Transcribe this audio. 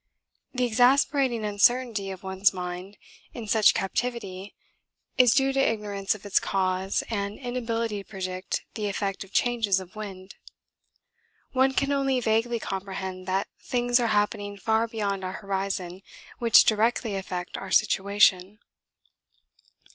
The exasperating uncertainty of one's mind in such captivity is due to ignorance of its cause and inability to predict the effect of changes of wind. One can only vaguely comprehend that things are happening far beyond our horizon which directly affect our situation.